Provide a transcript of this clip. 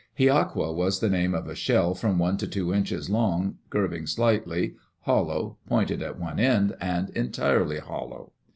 Hiaqua was the name of a shell from one to two inches long, curving slightly, hollow, pointed at one end and entirely hollow.